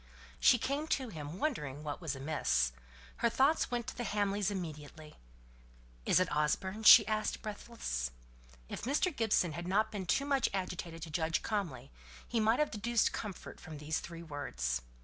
She came to him, wondering what was amiss. Her thoughts went to the Hamleys immediately. "Is it Osborne?" she asked, breathless. If Mr. Gibson had not been too much agitated to judge calmly, he might have deduced comfort from these three words.